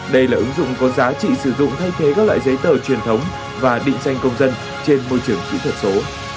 đây là ứng dụng có giá trị sử dụng thay thế các loại giấy tờ truyền thống và định danh công dân trên môi trường kỹ thuật số